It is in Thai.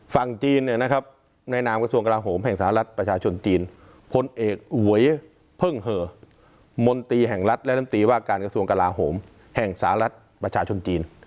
ฝั่งจีนเนี่ยนะครับในนามกระทรวงกราโหมแห่งสหรัฐประชาชนจีนพลเอกหวยเพิ่งเหอะมนตรีแห่งรัฐและน้ำตีว่าการกระทรวงกลาโหมแห่งสหรัฐประชาชนจีน